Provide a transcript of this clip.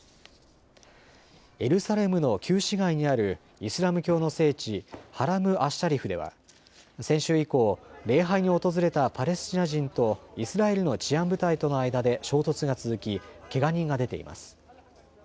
エルサレムの旧市街にあるイスラム教の聖地、ハラム・アッシャリフでは先週以降、礼拝に訪れたパレスチナ人とイスラエルの治安部隊との間で衝突が続きけが人が出ています。